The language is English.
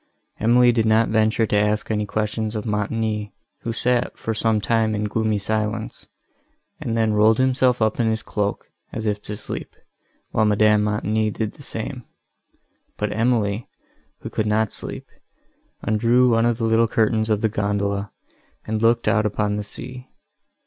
Emily did not venture to ask any questions of Montoni, who sat, for some time, in gloomy silence, and then rolled himself up in his cloak, as if to sleep, while Madame Montoni did the same; but Emily, who could not sleep, undrew one of the little curtains of the gondola, and looked out upon the sea.